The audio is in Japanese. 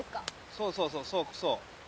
そうそうそうそうそう。